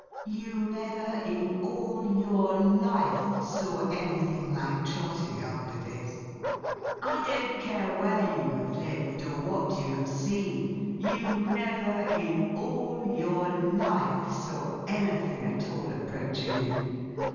You never in all your life saw anything like Trotty after this. I don't care where you have lived or what you have seen; you never in all your life saw anything at all approaching him!